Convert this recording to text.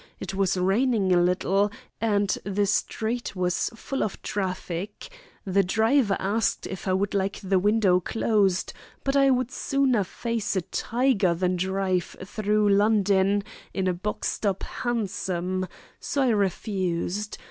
It was raining a little, and the street was full of traffic. The driver asked if I would like the window closed, but I would sooner face a tiger than drive through London in a boxed up hansom, so I refused.